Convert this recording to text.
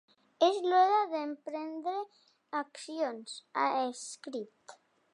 És l’hora d’emprendre accions, ha escrit.